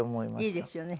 いいですよね。